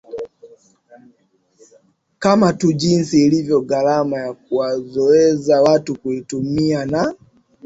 kama tu jinsi ilivyo gharama ya kuwazoeza watu kuvitumia na